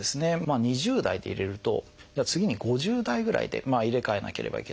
２０代で入れると次に５０代ぐらいで入れ替えなければいけない。